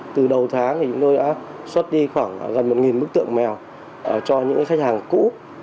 từ đầu tháng thì chúng tôi đã xuất đi khoảng gần một bức tượng mèo cho những khách hàng cũ